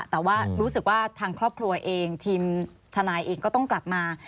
แต่ว่ารู้สึกว่าทางครอบครัวเองทีมทนายเองก็ต้องกลับมา